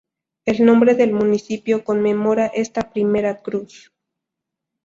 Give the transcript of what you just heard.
El nombre del municipio conmemora esta primera cruz.